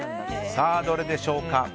さあ、どれでしょうか。